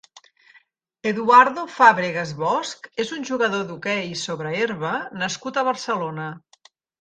Eduardo Fábregas Bosch és un jugador d'hoquei sobre herba nascut a Barcelona.